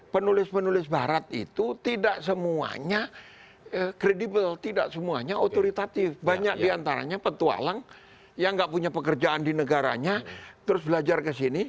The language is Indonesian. penulis penulis barat itu tidak semuanya kredibel tidak semuanya otoritatif banyak diantaranya petualang yang nggak punya pekerjaan di negaranya terus belajar ke sini